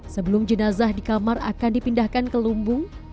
sebelum jenazah di kamar akan dipindahkan ke lumbung